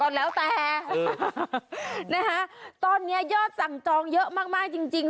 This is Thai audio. แล้วแต่นะคะตอนนี้ยอดสั่งจองเยอะมากจริง